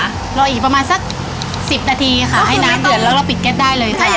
เราอีกประมาณสัก๑๐นาทีค่ะ